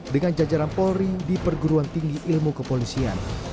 dengan jajaran polri di perguruan tinggi ilmu kepolisian